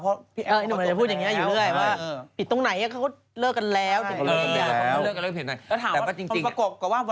เพราะพี่แอปเขาจบไปแล้ว